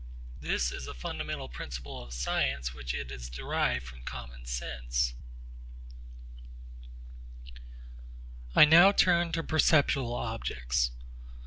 This is a fundamental principle of science which it has derived from common sense. I now turn to perceptual objects.